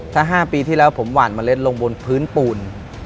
ถ้า๕ปีที่แล้วผมหวานเมล็ดลงบนพื้นปูน